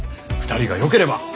二人がよければ。